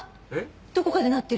どこかで鳴ってる。